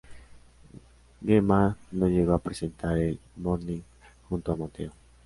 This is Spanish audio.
Gema no llegó a presentar el morning junto a Mateo.